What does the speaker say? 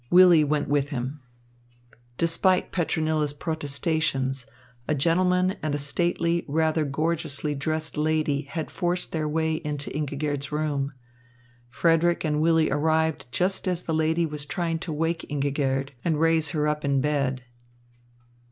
Willy went with him. Despite Petronilla's protestations, a gentleman and a stately, rather gorgeously dressed lady had forced their way into Ingigerd's room. Frederick and Willy arrived just as the lady was trying to wake Ingigerd and raise her up in bed.